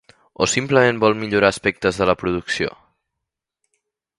O simplement es vol millorar aspectes de la producció?